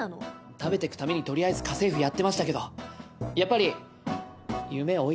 食べていくためにとりあえず家政夫やってましたけどやっぱり夢を追いかけたいんです。